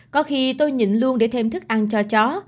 có khi tôi nhìn luôn để thêm thức ăn cho chó